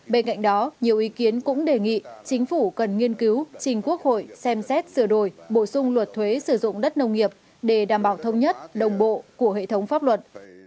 bên cạnh đó nhiều ý kiến cũng đề nghị chính phủ cần nghiên cứu trình quốc hội xem xét sửa đổi bổ sung luật thuế sử dụng đất nông nghiệp để đảm bảo thông nhất đồng bộ của hệ thống pháp luật